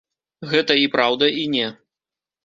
Гэта і праўда, і не.